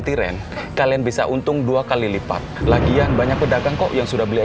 tiren kalian bisa untung dua kali lipat lagian banyak pedagang kok yang sudah beli